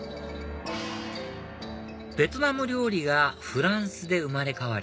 ベトナム料理がフランスで生まれ変わり